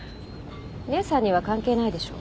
姉さんには関係ないでしょ。